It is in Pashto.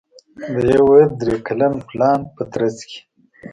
د یوه درې کلن پلان په ترڅ کې